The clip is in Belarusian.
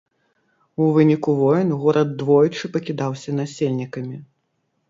У выніку войн горад двойчы пакідаўся насельнікамі.